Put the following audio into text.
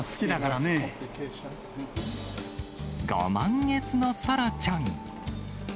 ご満悦のサラちゃん。